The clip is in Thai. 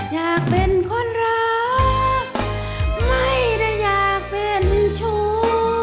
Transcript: อยากเป็นคนรักไม่ได้อยากเป็นชู้